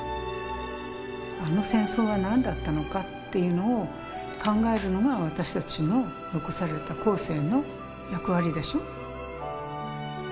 あの戦争は何だったのかっていうのを考えるのが私たちの残された後世の役割でしょ。